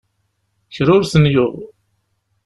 Kra ur ten-yuɣ.